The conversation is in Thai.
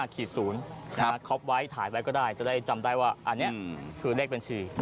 คอปไว้ถ่ายไว้ก็ได้จะได้จำได้ว่าอันนี้คือเลขบัญชี